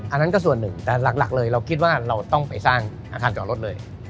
อันนั้นก็ส่วนหนึ่งแต่หลักเลยเราคิดว่าเราต้องไปสร้างอาคารจอดรถเลย